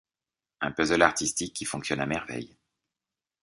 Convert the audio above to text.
Un puzzle artistique qui fonctionne a merveille.